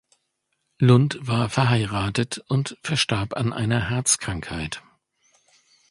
Lunt war verheiratet und verstarb an einer Herzkrankheit.